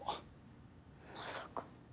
まさか。